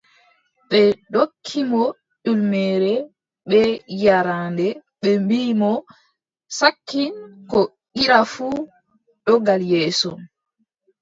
Ɓe ndokki mo ƴulmere, bee yaaraande, ɓe mbii mo: sakkin, ko ngiɗɗa fuu, ɗo gal yeeso.